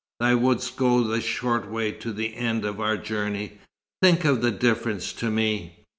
Thou wouldst go the short way to the end of our journey. Think of the difference to me!